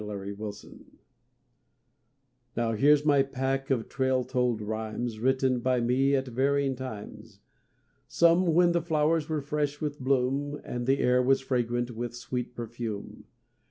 *AU REVOIR* Now here's my pack of trail told rhymes, Written by me at varying times; Some when the flowers were fresh with bloom And the air was fragrant with sweet perfume.